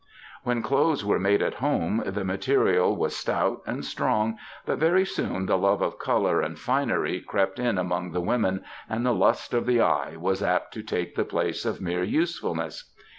When clothes were made at home, the material was stout and strong, but very soon the love of colour and finery crept in among the women, and the *^ lust of the eye ^ was apt to take the place of mere usefulness.